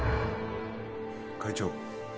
会長。